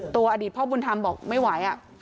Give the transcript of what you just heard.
อดีตพ่อบุญธรรมบอกไม่ไหว